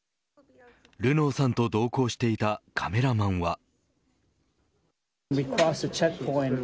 ルノーさんと同行していたカメラマンは。